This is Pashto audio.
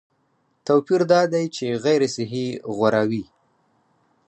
توپیر دا دی چې غیر صحي غوراوي